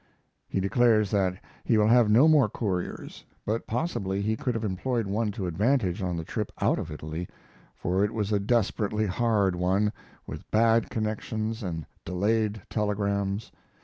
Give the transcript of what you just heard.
He declares that he will have no more couriers; but possibly he could have employed one to advantage on the trip out of Italy, for it was a desperately hard one, with bad connections and delayed telegrams.